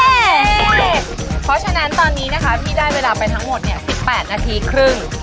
เพราะฉะนั้นตอนนี้นะคะพี่ได้เวลาไปทั้งหมด๑๘นาทีครึ่ง